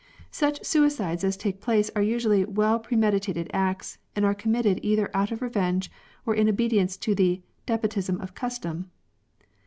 Such suicides as take place are usually well premedi tated acts, and are committed either out of revenge, or in obedience to the " despotism of custom.'